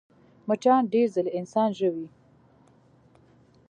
مچان ډېرې ځلې انسان ژوي